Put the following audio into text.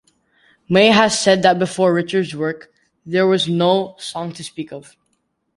May has said that before Richards' work, there was no song to speak of.